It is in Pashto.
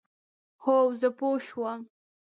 هو، زه پوه شوم،